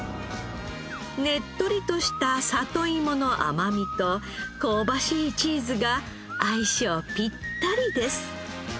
ねっとりとした里いもの甘みと香ばしいチーズが相性ピッタリです。